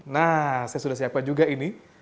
nah saya sudah siapkan juga ini